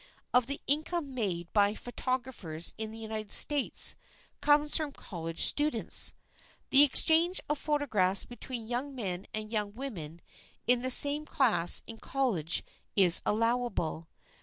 of the income made by photographers in the United States comes from college students. The exchange of photographs between young men and young women in the same class in college is allowable.